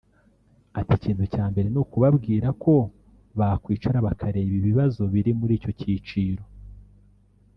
Ati “ Ikintu cya mbere ni ukubabwira ko bakwicara bakareba ibibazo biri muri icyo cyiciro